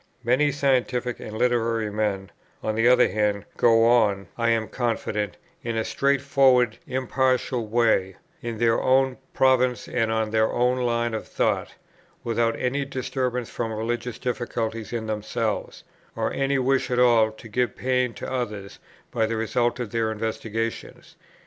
Many scientific and literary men, on the other hand, go on, I am confident, in a straightforward impartial way, in their own province and on their own line of thought, without any disturbance from religious difficulties in themselves, or any wish at all to give pain to others by the result of their investigations.